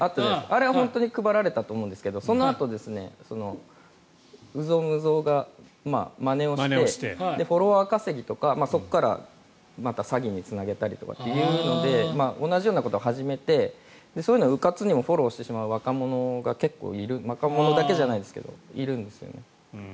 あれは本当に配られたと思うんですけどそのあと有象無象がまねをしてフォロワー稼ぎとかそこから詐欺につなげるとか同じようなことを始めてそういうのをうかつにもフォローしてしまう若者がいる若者だけじゃないですけどいるんですね。